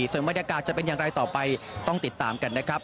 ส่วนบรรยากาศจะเป็นอย่างไรต่อไปต้องติดตามกันนะครับ